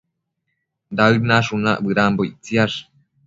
Daëd nashunac bëdanbo ictsiash